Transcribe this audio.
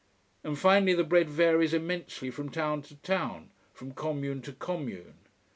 And finally the bread varies immensely from town to town, from commune to commune.